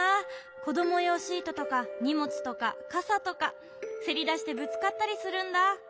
こどもようシートとかにもつとかかさとか。せりだしてぶつかったりするんだ。